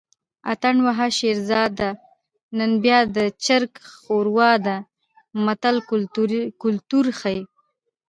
اتڼ وهه شیرداده نن بیا د چرګ ښوروا ده متل کولتور ښيي